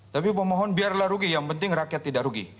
tapi pemohon biarlah rugi yang penting rakyat tidak rugi